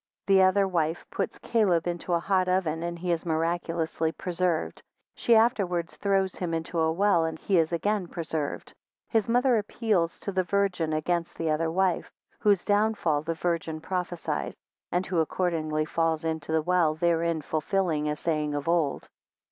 5 The other wife puts Caleb into a hot oven, and he is miraculously preserved, 9 she afterwards throws him into a well, and he is again preserved; 11 his mother appeals to the Virgin against the other wife, 12 whose downfall the Virgin prophecies, 13 and who accordingly falls into the well, 14 therein fulfilling a saying of old.